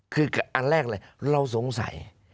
คืออันแรกเลยเราสงสัย